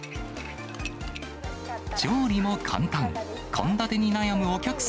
調理も簡単。